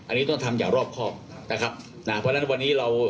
อันนี้ต้องทำอย่างรอบครอบนะครับนะเพราะฉะนั้นวันนี้เรา